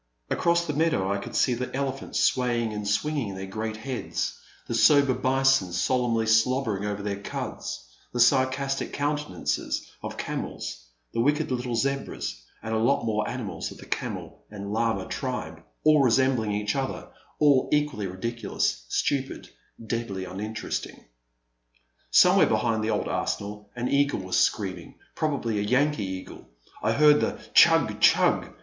Across the meadow I could see the elephants swaying and swinging their great heads, the sober bison solemnly slobbering over their cuds, the sarcastic countenances of camels, the wicked little zebras, and a lot more animals of the camel and llama tribe, all resembling each other, all equally ridiculous, stupid, deadly uninteresting. Somewhere behind the old arsenal an eagle was screaming, probably a Yankee eagle ; I heard the tchug ! tchug